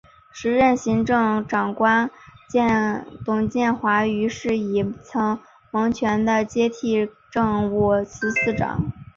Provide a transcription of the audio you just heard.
时任行政长官董建华于是以曾荫权接替政务司司长。